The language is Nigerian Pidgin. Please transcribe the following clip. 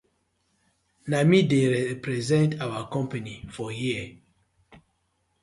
Na mi dey represent our company for here.